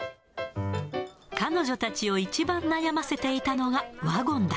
彼女たちを一番悩ませていたのはワゴンだ。